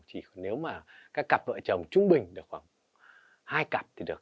chỉ nếu mà các cặp vợ chồng trung bình được khoảng hai cặp thì được